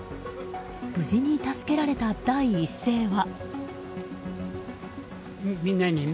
無事に助けられた第一声は。